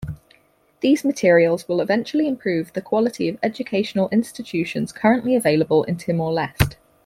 These materials will eventually improve the quality of educational institutions currently available in Timor-Leste.